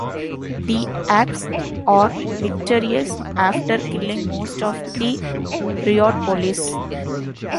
The apes are victorious after killing most of the riot police.